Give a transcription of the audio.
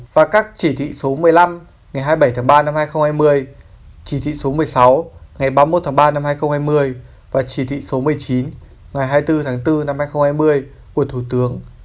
và các chỉ thị số một mươi năm ngày hai mươi bảy tháng ba năm hai nghìn hai mươi chỉ thị số một mươi sáu ngày ba mươi một tháng ba năm hai nghìn hai mươi và chỉ thị số một mươi chín ngày hai mươi bốn tháng bốn năm hai nghìn hai mươi của thủ tướng